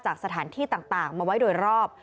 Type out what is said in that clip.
สถานที่ต่างมาไว้โดยรอบ